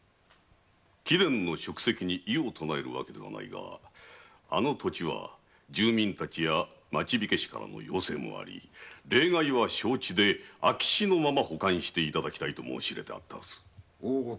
貴殿の職責に異を唱えるものではないがあの土地は住民たちや「町火消」からの要請もあり例外は承知で空き地のまま保管していただきたいと申し入れてあったはず。